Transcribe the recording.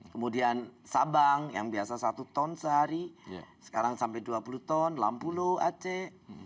kemudian sabang yang biasa satu ton sehari sekarang sampai dua puluh ton lampulo aceh